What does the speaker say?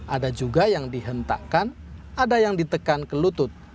ada juga yang dihentakkan ada yang ditekan ke lutut